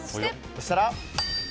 そうしたら。